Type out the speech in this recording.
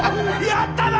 やったぞ！